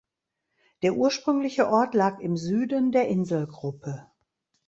Der ursprüngliche Ort lag im Süden der Inselgruppe.